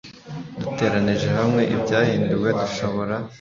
Duteranije hamwe ibyahinduwe dushobora